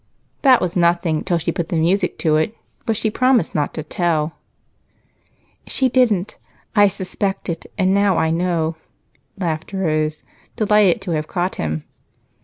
"That was nothing till she put the music to it. But she promised not to tell." "She didn't. I suspected, and now I know," laughed Rose, delighted to have caught him.